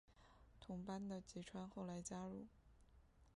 同班的吉川后来加入。